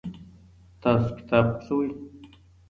تاسو کتاب خوښوئ؟